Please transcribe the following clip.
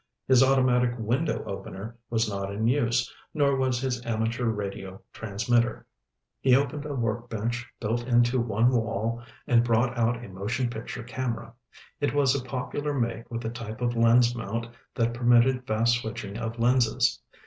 His automatic window opener was not in use, nor was his amateur radio transmitter. He opened a workbench built into one wall and brought out a motion picture camera. It was a popular make with a type of lens mount that permitted fast switching of lenses.